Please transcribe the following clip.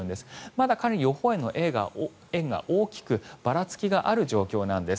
まだ予報円の円が大きくばらつきがある状況なんです。